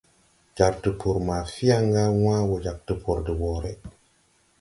Jar tupuri ma Fianga wãã wo jāg tupuri de woʼré.